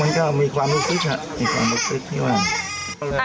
มันก็มีความรู้สึกมีความรู้สึกที่ว่า